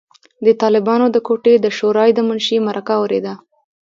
د طالبانو د کوټې د شورای د منشي مرکه اورېده.